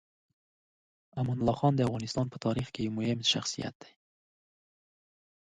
امان الله خان د افغانستان په تاریخ کې یو مهم شخصیت دی.